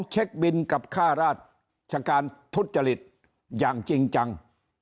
เช็คบินกับค่าราชการทุจริตอย่างจริงจัง